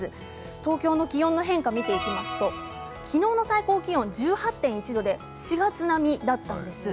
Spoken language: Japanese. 東京の気温の変化を見ていきますと昨日の最高気温１８．１度４月並みだったんです。